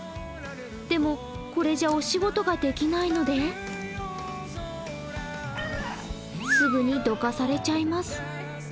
でも、これじゃあお仕事ができないのですぐにどかされちゃいます。